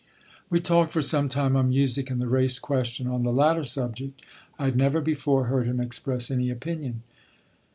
We talked for some time on music and the race question. On the latter subject I had never before heard him express any opinion.